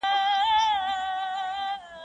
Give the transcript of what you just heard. د تاریخي کرنې ښځو مهم رول درلود.